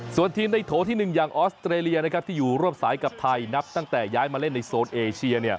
ส่วนทีมในโถที่๑อย่างออสเตรเลียที่อยู่ร่วมสายกับไทยนับตั้งแต่ย้ายมาเล่นในโซนเอเชีย